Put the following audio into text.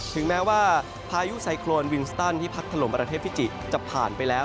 ถึงแม้ว่าพายุไซโครนวินสตันที่พัดถล่มประเทศฟิจิจะผ่านไปแล้ว